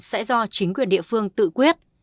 sẽ do chính quyền địa phương tự quyết